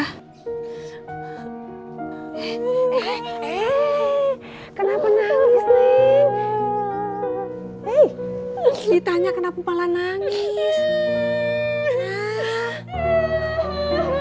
hai eh kenapa nangis nih eh ditanya kenapa malah nangis